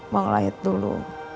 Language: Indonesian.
mau ngelahit dulu